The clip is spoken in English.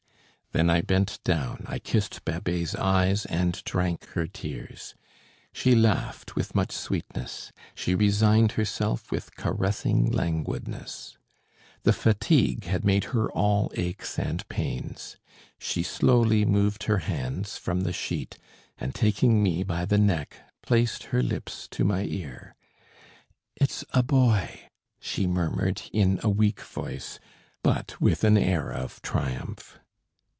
Then I bent down, I kissed Babet's eyes and drank her tears. She laughed with much sweetness; she resigned herself with caressing languidness. The fatigue had made her all aches and pains. She slowly moved her hands from the sheet, and taking me by the neck placed her lips to my ear: "It's a boy," she murmured in a weak voice, but with an air of triumph.